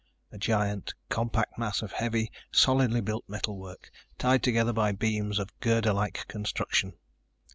a giant, compact mass of heavy, solidly built metal work, tied together by beams of girderlike construction.